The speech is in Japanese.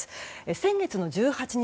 先月の１８日